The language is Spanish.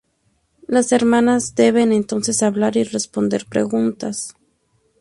Las hermanas deben entonces hablar y responder preguntas.